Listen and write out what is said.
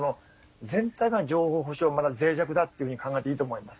全体の情報保障がまだ、ぜい弱だと考えてもいいと思います。